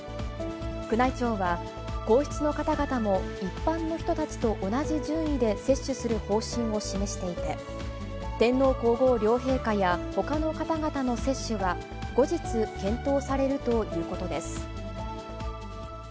宮内庁は皇室の方々も一般の人たちと同じ順位で接種する方針を示していて、天皇皇后両陛下やほかの方々の接種は、後日、検討されるということです。